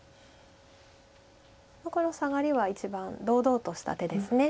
このサガリは一番堂々とした手です。